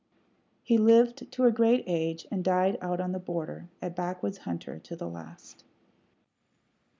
He lived to a great age, and died out on the border, a backwoods hunter to the last.